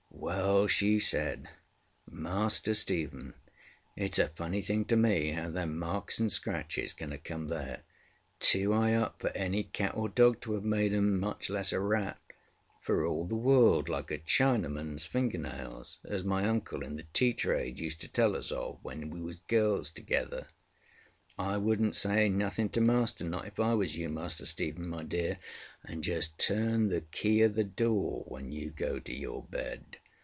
ŌĆ£Well, ŌĆØ she said, ŌĆ£Master Stephen, itŌĆÖs a funny thing to me how them marks and scratches can ŌĆÖaŌĆÖ come thereŌĆötoo high up for any cat or dog to ŌĆÖave made ŌĆÖem, much less a rat: for all the world like a ChinamanŌĆÖs finger nails, as my uncle in the tea trade used to tell us of when we was girls together. I wouldnŌĆÖt say nothing to master, not if I was you, Master Stephen, my dear; and just turn the key of the door when you go to your bed.